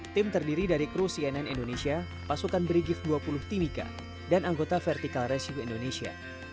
tim terdiri dari kru cnn indonesia pasukan berigif dua puluh timika dan anggota vertical rescue indonesia